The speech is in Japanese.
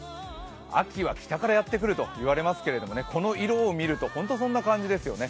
秋は北からやってくるといわれますけれどもこの色を見るとほんと、そんな感じですよね。